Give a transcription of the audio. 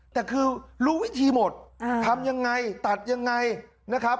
แต่คือรู้วิธีหมดทำยังไงตัดยังไงนะครับ